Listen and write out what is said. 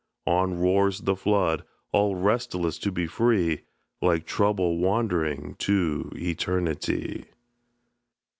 On roars the flood, all restless to be free, Like Trouble wandering to Eternity.